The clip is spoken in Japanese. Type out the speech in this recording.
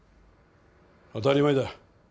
当たり前だ。